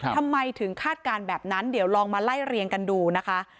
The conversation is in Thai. ทำไมถึงคาดการณ์แบบนั้นเดี๋ยวลองมาไล่เรียงกันดูนะคะ